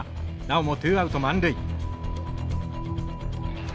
なおもツーアウト満塁。